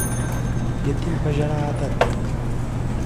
یتیم په ژړا عادت دی